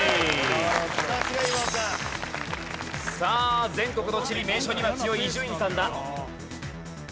さあ全国の地理・名所には強い伊集院さんだ。